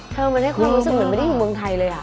มันให้ความรู้สึกเหมือนไม่ได้อยู่เมืองไทยเลย